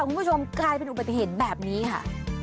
คุณผู้ชมกลายเป็นอุบัติเหตุแบบนี้ค่ะ